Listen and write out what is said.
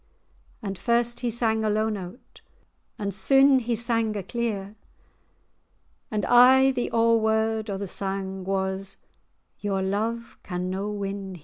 And first he sang a low low note, And syne[#] he sang a clear; And aye the o'erword[#] o' the sang Was—"Your love can no win here."